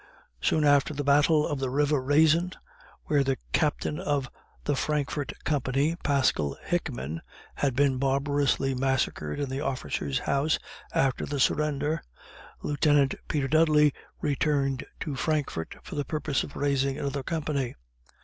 Soon after the battle of the river Raisin, where the Captain of the Frankfort company (Pascal Hickman,) had been barbarously massacred in the officers' house after the surrender, Lieutenant Peter Dudley returned to Frankfort for the purpose of raising another company.